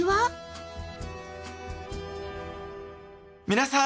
皆さん！